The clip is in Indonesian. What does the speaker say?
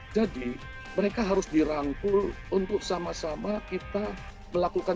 jadi mereka harus dirangkul untuk sama sama kita melakukan